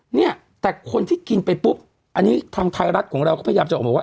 เนี่ยแต่คนที่กินไปปุ๊บอันนี้ทางไทยรัฐของเราก็พยายามจะออกมาว่า